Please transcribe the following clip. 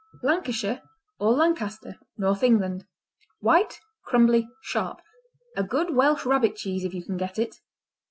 Lancashire, or Lancaster North England White; crumbly; sharp; a good Welsh Rabbit cheese if you can get it.